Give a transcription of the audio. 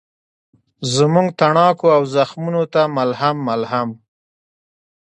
زموږ تڼاکو او زخمونوته ملهم، ملهم